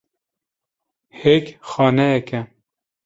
Hêk xaneyek e.